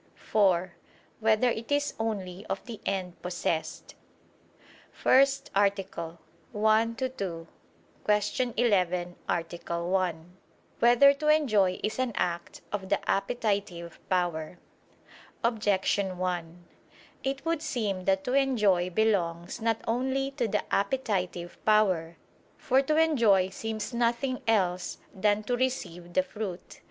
(4) Whether it is only of the end possessed? ________________________ FIRST ARTICLE [I II, Q. 11, Art. 1] Whether to Enjoy Is an Act of the Appetitive Power? Objection 1: It would seem that to enjoy belongs not only to the appetitive power. For to enjoy seems nothing else than to receive the fruit.